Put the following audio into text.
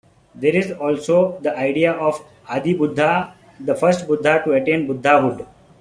There is also the idea of the Adi-Buddha, the "first Buddha" to attain Buddhahood.